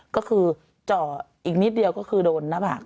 ก็คือเจาะอีกนิดเดียวก็คือโดนหน้าผาก